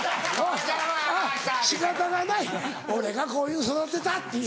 「仕方がない俺がこういうふうに育てた」っていう。